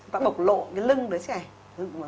ta bộc lộ cái lưng đứa trẻ